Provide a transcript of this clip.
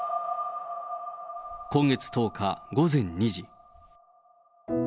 今月１０日午前２時。